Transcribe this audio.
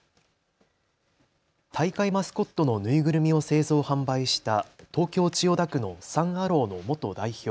大会マスコットの縫いぐるみを製造・販売した東京千代田区のサン・アローの元代表